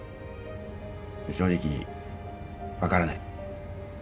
正直分からない。